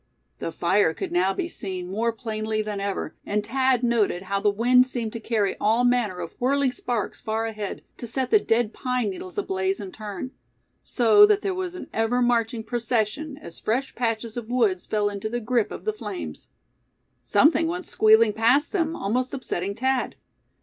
The fire could now be seen more plainly than ever, and Thad noted how the wind seemed to carry all manner of whirling sparks far ahead, to set the dead pine needles ablaze in turn; so that there was an ever marching procession, as fresh patches of woods fell into the grip of the flames. Something went squealing past them, almost upsetting Thad.